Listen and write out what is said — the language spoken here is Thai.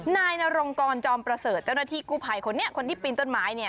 นายนรงกรจอมประเสริฐเจ้าหน้าที่กู้ภัยคนนี้คนที่ปีนต้นไม้เนี่ย